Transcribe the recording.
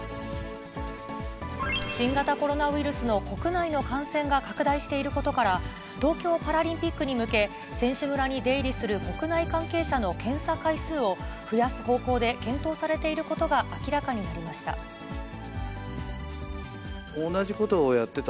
新型コロナウイルスの国内の感染が拡大していることから、東京パラリンピックに向け、選手村に出入りする国内関係者の検査回数を増やす方向で検討されていることが明らかになりました。